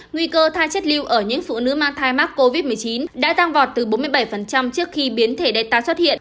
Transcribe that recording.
nguy cơ tha chất lưu ở những phụ nữ mang thai mắc covid một mươi chín đã tăng vọt từ bốn mươi bảy trước khi biến thể data xuất hiện